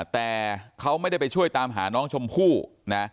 แต่เขาไม่ได้ไปช่วยตามหาน้องชมพู่นะ